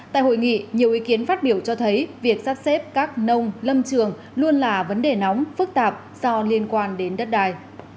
tại hội nghị nhiều ý kiến phát biểu cho thấy việc sắp xếp các nông lâm trường luôn là vấn đề nóng phức tạp do liên quan đến đất đài